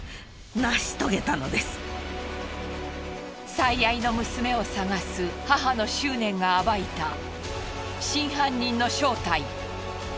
最愛の娘を捜す母の執念が暴いた真犯人の正体。